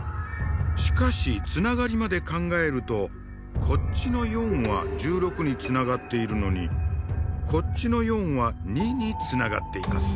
しかしつながりまで考えるとこっちの４は１６につながっているのにこっちの４は２につながっています。